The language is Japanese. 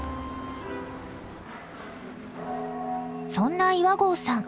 そんな岩合さん